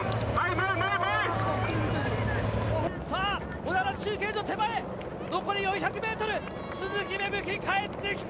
小田原中継所手前残り４００ｍ、鈴木芽吹、帰ってきた！